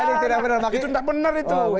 itu tidak benar itu